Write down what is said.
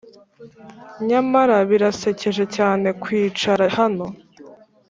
nyamara birasekeje cyane kwicara hano